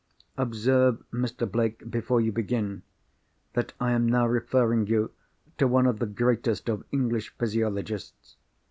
Observe, Mr. Blake, before you begin, that I am now referring you to one of the greatest of English physiologists.